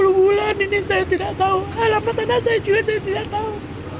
sepuluh bulan ini saya tidak tahu harapan anak saya juga saya tidak tahu